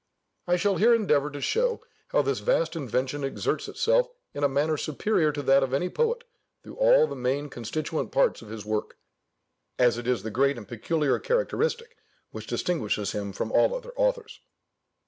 I shall here endeavour to show how this vast invention exerts itself in a manner superior to that of any poet through all the main constituent parts of his work: as it is the great and peculiar characteristic which distinguishes him from all other authors.